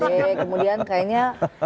iya kemudian kayaknya